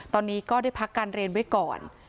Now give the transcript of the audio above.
ตอนนี้ก็ได้พักการเรียนไว้ก่อน